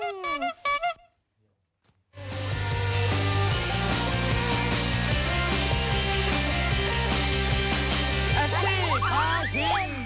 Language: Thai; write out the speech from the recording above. แท็กซี่พาชิม